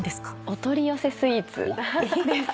お取り寄せスイーツです。